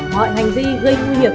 mọi hành vi gây nguy hiểm